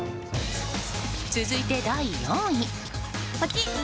続いて、第４位。